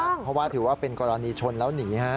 เพราะว่าถือว่าเป็นกรณีชนแล้วหนีฮะ